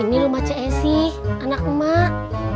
ini rumah ceh esi anak emak